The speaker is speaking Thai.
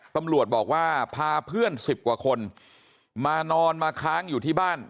ตำรวจบอกว่าพาเพื่อน๑๐กว่าคนมานอนมาค้างอยู่ที่บ้าน